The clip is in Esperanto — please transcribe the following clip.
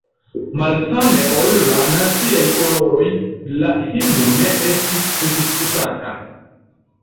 Malsame ol la naciaj koloroj, la himno ne estis pridisputata.